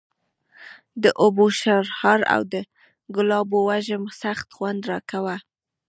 د اوبو شرهار او د ګلابو وږم سخت خوند راکاوه.